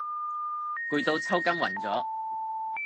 攰到抽筋暈咗